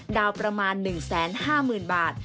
ดาวประมาณ๑๕๐๐๐บาท